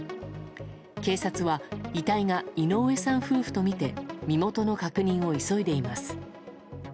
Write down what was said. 警察は遺体が井上さん夫婦とみて身元の確認を急いでいます。